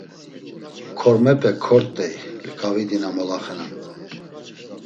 Kormepe kort̆ey ǩavidi na molaxenan.